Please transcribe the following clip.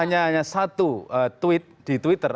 hanya satu tweet di twitter